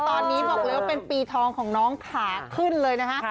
ตอนนี้บอกเลยว่าเป็นปีทองของน้องขาขึ้นเลยนะฮะ